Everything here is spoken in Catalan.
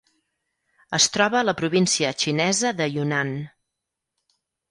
Es troba a la província xinesa de Yunnan.